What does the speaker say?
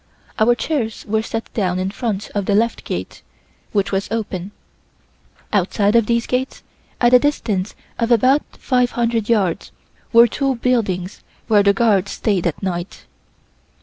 Our chairs were set down in front of the left gate, which was open. Outside of these gates, at a distance of about 500 yards, were two buildings where the guard stayed at night.